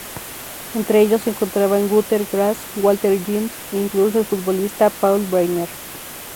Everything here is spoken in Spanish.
Entre ellos se encontraban Günter Grass, Walter Jens, e incluso el futbolista Paul Breitner.